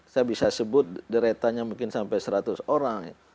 saya bisa sebut deretanya mungkin sampai seratus orang ya